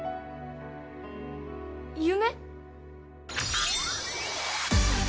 夢？